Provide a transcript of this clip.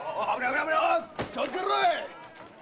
気をつけろぃ！